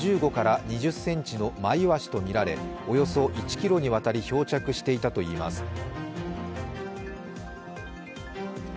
１５から２０ｃｍのマイワシとみられ、およそ１ｋｍにわたり漂着していたといいます。